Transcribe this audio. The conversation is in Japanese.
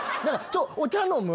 お茶飲む？